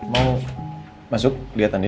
mau masuk liat andin